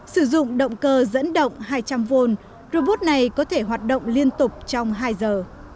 sử dụng động cơ dẫn động hai trăm linh v robot này có thể hoạt động liên tục trong hai giờ